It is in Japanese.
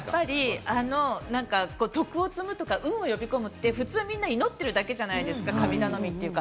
やっぱり徳を積むとか幸運を呼び込むってみんな祈ってるだけじゃないですか、神頼みっていうか。